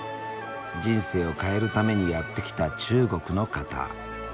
人生を変えるためにやって来た中国の方。